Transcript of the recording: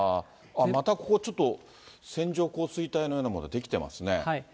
またここちょっと、線状降水帯のようなもの、出来てますね。